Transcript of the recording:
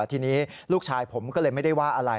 ทีนี้ลูกชายผมก็เลยไม่ได้ว่าอะไร